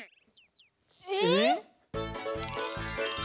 えっ！？